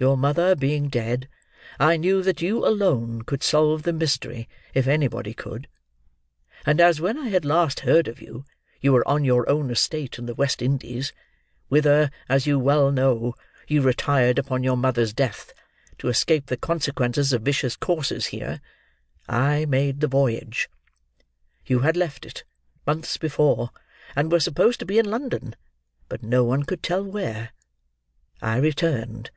Your mother being dead, I knew that you alone could solve the mystery if anybody could, and as when I had last heard of you you were on your own estate in the West Indies—whither, as you well know, you retired upon your mother's death to escape the consequences of vicious courses here—I made the voyage. You had left it, months before, and were supposed to be in London, but no one could tell where. I returned.